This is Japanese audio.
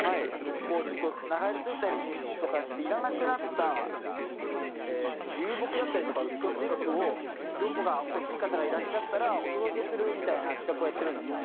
ちょっと流れ着いたりとかしていらなくなった流木だったりとかウッドチップを、どこか欲しい方がいらっしゃったら、お届けするみたいな企画をやっているんですね。